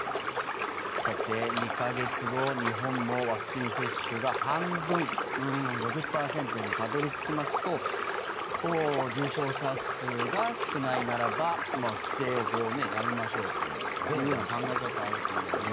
さて、２か月後日本もワクチン接種が半分、５０％にたどり着きますと重症者数が少ないならば規制をやめましょうという考え方あると思いますけど。